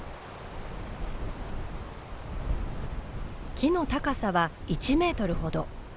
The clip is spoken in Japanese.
木の高さは１メートルほど。